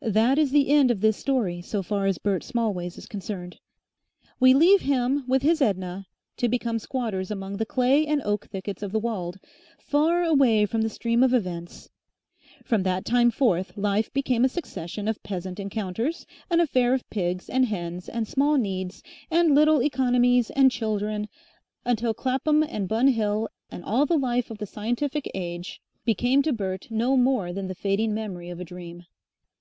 That is the end of this story so far as Bert Smallways is concerned. We leave him with his Edna to become squatters among the clay and oak thickets of the Weald, far away from the stream of events. From that time forth life became a succession of peasant encounters, an affair of pigs and hens and small needs and little economies and children, until Clapham and Bun Hill and all the life of the Scientific Age became to Bert no more than the fading memory of a dream.